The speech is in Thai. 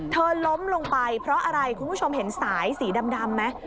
ล้มลงไปเพราะอะไรคุณผู้ชมเห็นสายสีดำไหม